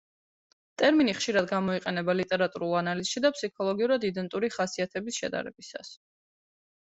ტერმინი ხშირად გამოიყენება ლიტერატურულ ანალიზში და ფსიქოლოგიურად იდენტური ხასიათების შედარებისას.